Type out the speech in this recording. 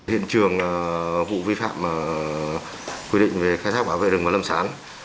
hiện trường vụ vi phạm quy định về khai thác quả vệ rừng vào lâm sáng